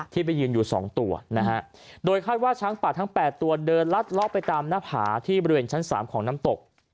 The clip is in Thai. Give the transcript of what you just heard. ที่ไปยืนอยู่สองตัวนะฮะโดยคาดว่าช้างป่าทั้ง๘ตัวเดินลัดเลาะไปตามหน้าผาที่บริเวณชั้น๓ของน้ำตก